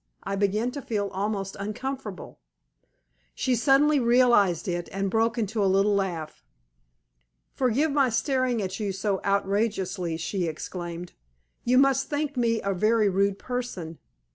I began to feel almost uncomfortable. She suddenly realized it, and broke into a little laugh. "Forgive my staring at you so outrageously," she exclaimed. "You must think me a very rude person.